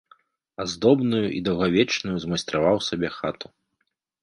Аздобную і даўгавечную змайстраваў сабе хату.